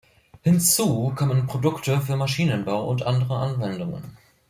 Hinzu kommen Produkte für Maschinenbau und andere Anwendungen.